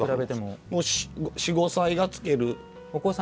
４５歳がつける。